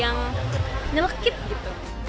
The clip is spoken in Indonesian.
yang melekit gitu